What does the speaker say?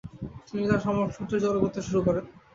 তিনি তার সমর্থকদের জড়ো করতে শুরু করেন।